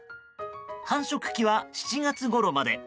繁殖期は７月ごろまで。